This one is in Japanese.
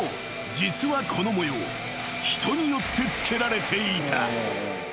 実はこの模様人によってつけられていた］